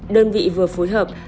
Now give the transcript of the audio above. đơn vị vừa phối hợp